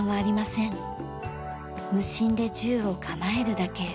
無心で銃を構えるだけ。